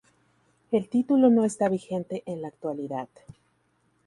El título no está vigente en la actualidad.